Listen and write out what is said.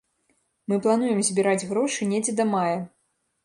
Мы плануем збіраць грошы недзе да мая.